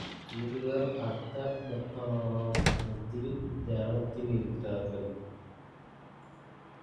இருவரும் அர்த்த பத்மாசனத்தில் தியானத்தில் இருக்கிறார்கள்.